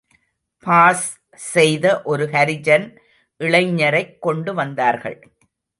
Pass செய்த ஒரு ஹரிஜன் இளைஞரைக் கொண்டு வந்தார்கள்.